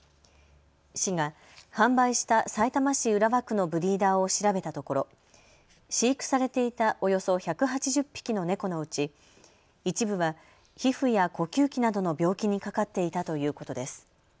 市が販売したさいたま市浦和区のブリーダーを調べたところ飼育されていたおよそ１８０匹の猫のうち、一部は皮膚や呼吸器などの病気にかかっていたということです。